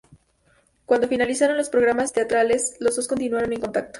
Cuando finalizaron los programas teatrales, los dos continuaron en contacto.